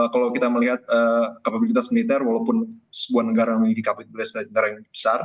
kalau kita melihat kapabilitas militer walaupun sebuah negara memiliki kapabilitas militer